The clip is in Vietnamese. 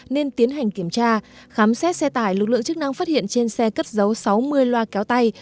nên tiến hành kiểm tra khám xét xe tải lực lượng chức năng phát hiện trên xe cất dấu sáu mươi loa kéo tay